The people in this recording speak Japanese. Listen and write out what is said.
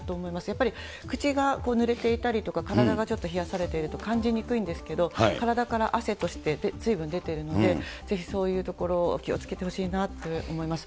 やっぱり口がぬれていたりとか、体がちょっと冷やされていると、感じにくいんですけど、体から汗として水分出てるんで、ぜひそういうところを気をつけてほしいなと思います。